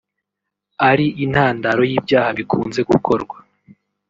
ari intandaro y’ibyaha bikunze gukorwa